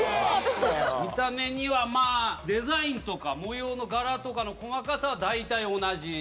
見た目にはまあ、デザインとか模様の柄とかの細かさは大体同じ。